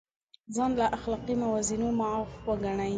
ځان له اخلاقي موازینو معاف وګڼي.